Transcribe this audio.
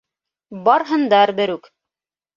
Барһындар берүк.